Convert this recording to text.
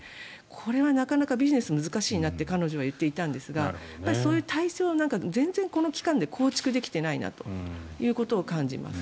これはなかなかビジネスが難しいなと彼女は言っていたんですがそういう体制が全然この期間で構築できていないなということを感じます。